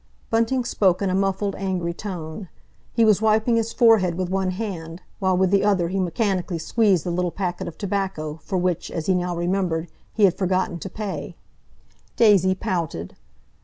Bunting spoke in a muffled, angry tone. He was wiping his forehead with one hand, while with the other he mechanically squeezed the little packet of tobacco, for which, as he now remembered, he had forgotten to pay. Daisy pouted.